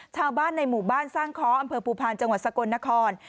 ชาวบ้านในหมู่บ้านสร้างค้ออำเภอภูพาลจังหวัดสกลนคร